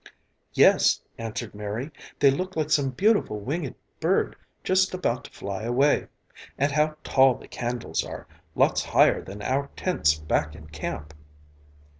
"Yes," answered Mary, "they look like some beautiful winged bird just about to fly away. And how tall the candles are, lots higher than our tents back in camp."